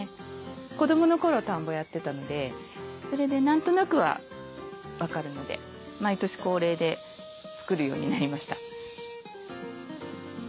子どもの頃田んぼやってたのでそれで何となくは分かるので毎年恒例で作るようになりました。